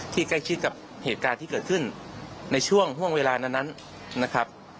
ใกล้ชิดกับเหตุการณ์ที่เกิดขึ้นในช่วงห่วงเวลานั้นนะครับ